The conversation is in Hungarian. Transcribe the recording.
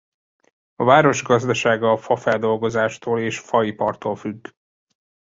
A város gazdasága a fafeldolgozástól és faipartól függ.